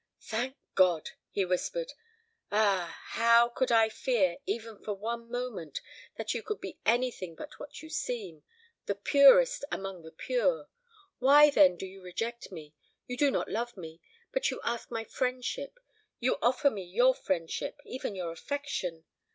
"Thank God!" he whispered. "Ah, how could I fear, even for one moment, that you could be anything but what you seem the purest among the pure? Why, then, do you reject me? You do not love me, but you ask my friendship; you offer me your friendship, even your affection.